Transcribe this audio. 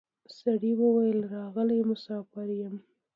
سړي وویل راغلی مسافر یم